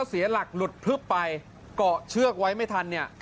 ถ้าเสียหลักหลุดพลึกไปเกาะเชือกไว้ไม่ทัน